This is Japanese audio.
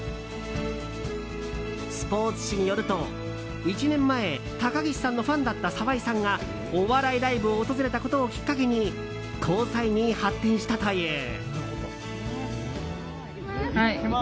スポーツ紙によると１年前、高岸さんのファンだった沢井さんがお笑いライブを訪れたことをきっかけに交際に発展したという。